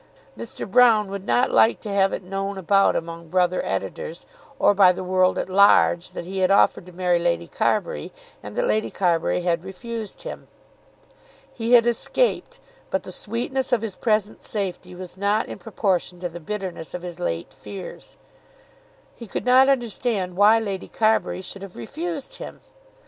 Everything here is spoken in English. Mr. Broune would not like to have it known about among brother editors, or by the world at large, that he had offered to marry Lady Carbury and that Lady Carbury had refused him. He had escaped; but the sweetness of his present safety was not in proportion to the bitterness of his late fears. He could not understand why Lady Carbury should have refused him!